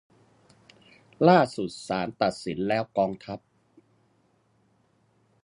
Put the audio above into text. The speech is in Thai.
ล่าสุดศาลตัดสินแล้วกองทัพ